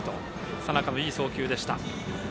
佐仲のいい送球でした。